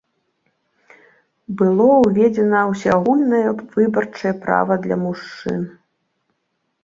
Было ўведзена ўсеагульнае выбарчае права для мужчын.